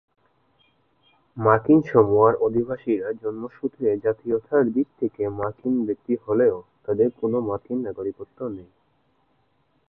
মার্কিন সামোয়ার অধিবাসীরা জন্মসূত্রে জাতীয়তার দিকে থেকে মার্কিন ব্যক্তি হলেও তাদের কোনও মার্কিন নাগরিকত্ব নেই।